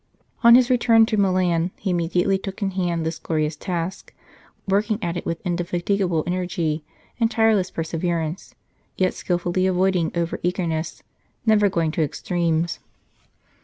On his return to Milan he immediately took in hand this glorious task, working at it with inde fatigable energy and tireless perseverance, yet skilfully avoiding over eagerness, never going to extremes.